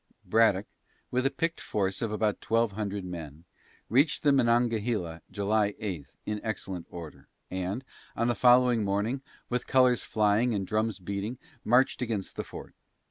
Braddock, with a picked force of about twelve hundred men, reached the Monongahela July 8 in excellent order, and, on the following morning, with colors flying and drums beating, marched against the fort.